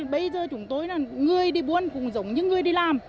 bây giờ chúng tôi là người đi buôn cũng giống như người đi làm